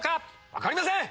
分かりません！